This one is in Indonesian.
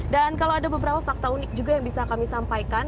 dan kalau ada beberapa fakta unik juga yang bisa kami sampaikan